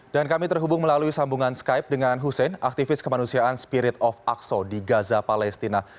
dan kami terhubung melalui sambungan skype dengan hussein aktivis kemanusiaan spirit of aqsa di gaza palestina